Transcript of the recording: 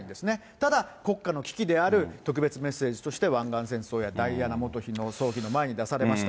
ただ、国家の危機である特別メッセージとして湾岸戦争やダイアナ元妃の葬儀の前に出されました。